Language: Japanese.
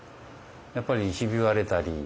やっぱりひび割れたり。